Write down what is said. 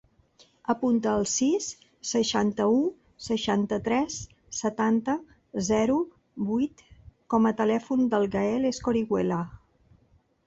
Apunta el sis, seixanta-u, seixanta-tres, setanta, zero, vuit com a telèfon del Gaël Escorihuela.